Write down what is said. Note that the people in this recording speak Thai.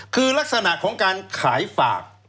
คือลักษณะของการขายฝาก